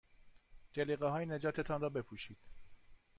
جلیقههای نجات تان را بپوشید.